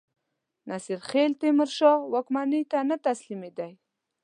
نصیرخان تیمورشاه واکمنۍ ته نه تسلیمېدی.